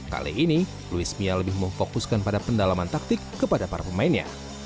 kali ini louis mia lebih memfokuskan pada pendalaman taktik kepada para pemainnya